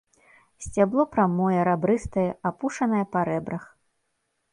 Сцябло прамое, рабрыстае, апушанае па рэбрах.